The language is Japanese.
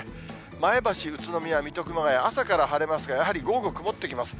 前橋、宇都宮、水戸、熊谷、朝から晴れますが、やはり午後、曇ってきます。